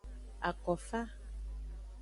Akofa.